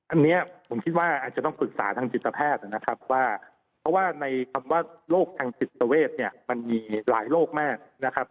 อันนี้ผมคิดว่าอาจจะต้องปรึกษาทางจิตแพทย์นะครับว่าเพราะว่าในคำว่าโรคทางจิตเวทเนี่ยมันมีหลายโรคมากนะครับ